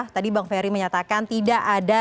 tadi bang ferry menyatakan tidak ada